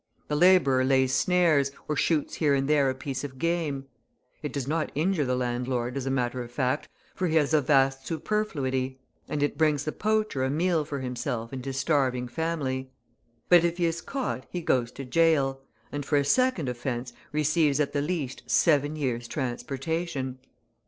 The labourer lays snares, or shoots here and there a piece of game. It does not injure the landlord as a matter of fact, for he has a vast superfluity, and it brings the poacher a meal for himself and his starving family. But if he is caught he goes to jail, and for a second offence receives at the least seven years' transportation.